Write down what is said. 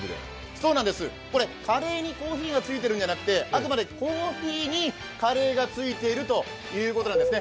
そうなんです、カレーにコーヒーがついてるんじゃなくてあくまでコーヒーにカレーがついているということなんですね。